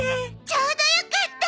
ちょうどよかった！